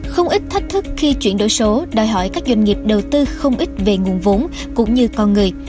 không ít thách thức khi chuyển đổi số đòi hỏi các doanh nghiệp đầu tư không ít về nguồn vốn cũng như con người